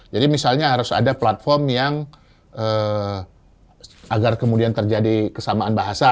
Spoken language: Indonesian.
jadi misalnya harus ada platform yang agar kemudian terjadi kesamaan bahasa